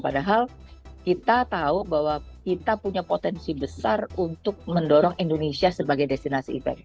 padahal kita tahu bahwa kita punya potensi besar untuk mendorong indonesia sebagai destinasi event